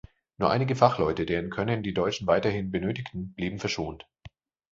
Nur einige Fachleute, deren Können die Deutschen weiterhin benötigten, blieben verschont.